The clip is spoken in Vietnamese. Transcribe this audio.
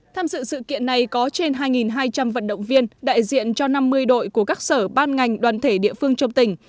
tham dự sự kiện này có trên hai hai trăm linh vận động viên đại diện cho năm mươi đội của các sở ban ngành đoàn thể địa phương trong tỉnh